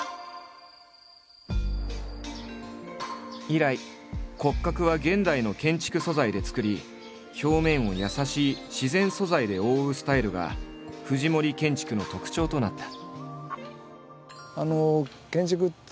以来骨格は現代の建築素材でつくり表面を優しい自然素材で覆うスタイルが藤森建築の特徴となった。